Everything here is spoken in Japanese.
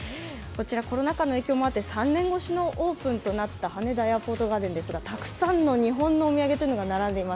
コロナ禍の影響もあって３年越しのオープンとなった羽田エアポートガーデンですが、たくさんの日本のお土産が並んでいます。